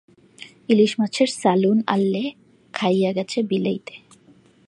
ইলিশ মাছের সালুন আল্লেহ, খাইয়া গেছে বিলইতে।